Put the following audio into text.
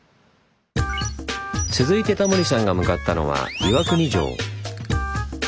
続いてタモリさんが向かったのは岩国城。